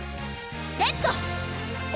レッド！